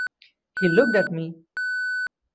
He looked at me.